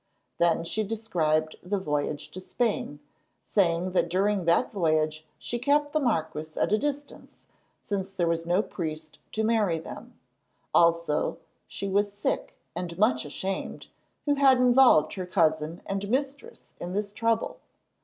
Then she described the voyage to Spain, saying that during that voyage she kept the marquis at a distance, since there was no priest to marry them; also, she was sick and much ashamed, who had involved her cousin and mistress in this trouble.